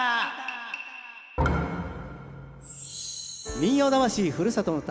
「民謡魂ふるさとの唄」。